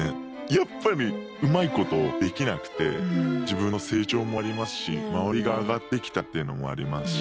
やっぱりうまいことできなくて自分の成長もありますし周りが上がってきたっていうのもありますし。